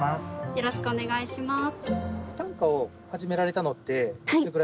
よろしくお願いします。